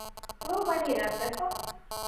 ލޯ ވަނީ ރަތް ވެފަ